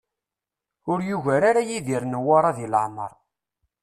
Ur yugar ara Yidir Newwara di leɛmer.